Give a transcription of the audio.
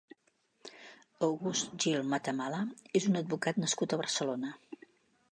August Gil Matamala és un advocat nascut a Barcelona.